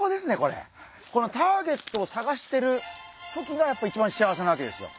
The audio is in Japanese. このターゲットを探してる時がやっぱり一番幸せなわけですよ。